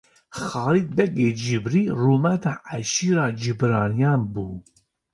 Xalid begê cibrî rûmeta eşîra cibraniyan bû.